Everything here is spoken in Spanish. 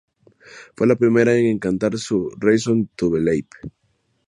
Fue la primera en cantar su "Reason to Believe".